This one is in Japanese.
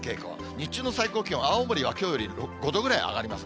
日中の最高気温、青森はきょうより５度ぐらい上がります。